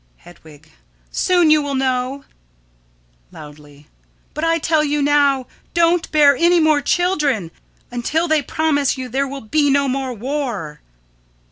Hedwig: Soon you will know. [Loudly.] But I tell you now, don't bear any more children until they promise you there will be no more war.